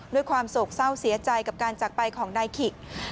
ด้วยความโศกเศร้าเสียใจกับการจักรไปของนายขิก